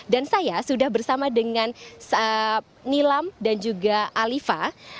dan saya sudah bersama dengan nilam dan juga alifah